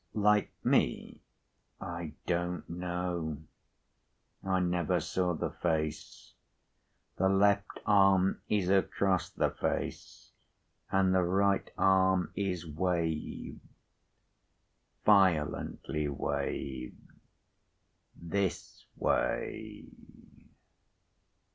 "Like me?" "I don't know. I never saw the face. The left arm is across the face, and the right arm is waved. Violently waved. This way."